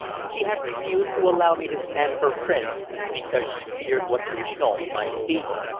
She had refused to allow me to stand her friend because she feared what the result might be.